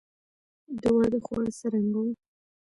د واده خواړه څرنګه وو؟